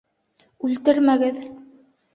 Үлтермәгеҙ!